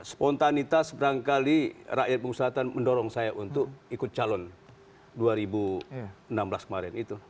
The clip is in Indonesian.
spontanitas berangkali rakyat pengusahaan mendorong saya untuk ikut calon dua ribu enam belas kemarin itu